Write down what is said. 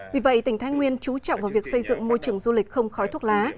vì vậy tỉnh thái nguyên trú trọng vào việc xây dựng môi trường du lịch không khói thuốc lá